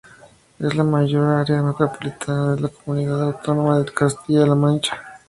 Es la mayor área metropolitana de la comunidad autónoma de Castilla-La Mancha.